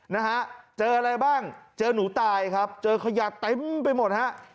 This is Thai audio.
นะฮะเจออะไรบ้างเจอหนูตายครับเจอขยะเต็มไปหมดฮะ